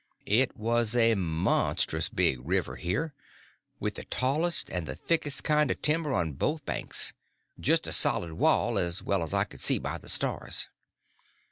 It was a monstrous big river here, with the tallest and the thickest kind of timber on both banks; just a solid wall, as well as I could see by the stars.